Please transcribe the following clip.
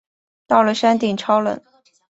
到了山顶超冷